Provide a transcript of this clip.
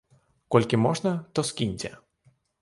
Колькі можна то скіньце!